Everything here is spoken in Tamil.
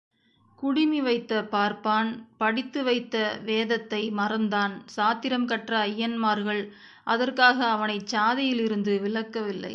குடுமிவைத்த பார்ப்பான் படித்து வைத்த வேதத்தை மறந்தான் சாத்திரம் கற்ற ஐயன்மார்கள் அதற்காக அவனைச் சாதியில் இருந்து விலக்கவில்லை.